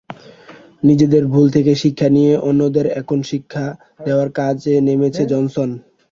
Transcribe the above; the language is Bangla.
নিজেদের ভুল থেকে শিক্ষা নিয়ে অন্যদের এখন শিক্ষা দেওয়ার কাজে নেমেছেন জনসন।